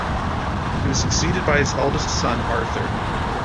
He was succeeded by his eldest son Arthur.